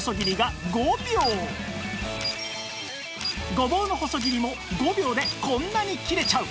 ごぼうの細切りも５秒でこんなに切れちゃう